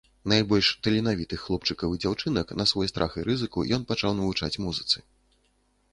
Найбольш таленавітых хлопчыкаў і дзяўчынак на свой страх і рызыку ён пачаў навучаць музыцы.